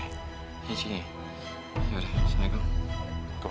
iya cing ya udah assalamualaikum